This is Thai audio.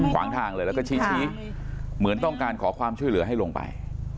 ขวางทางเลยแล้วก็ชี้เหมือนต้องการขอความช่วยเหลือให้ลงไป